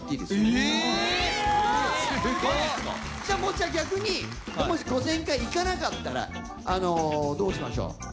じゃあもうじゃあ逆にもし５０００回いかなかったらあのどうしましょう？